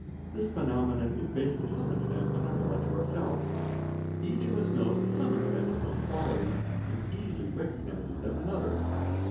This phenomenon — is based to some extent on our knowledge of ourselves. Hach of us — knows to some extent his own qualities, and easily recognises them in others.